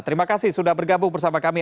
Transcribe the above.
terima kasih sudah bergabung bersama kami